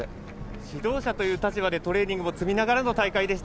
指導者という立場でトレーニングも積みながらの大会でした。